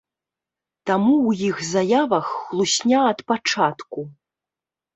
Таму ў іх заявах хлусня ад пачатку.